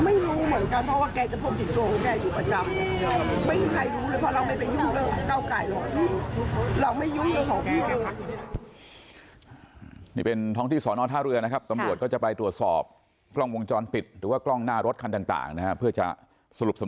ไม่รู้เหมือนกันเพราะว่าแกจะพบผิดตัวของแกอยู่ประจำ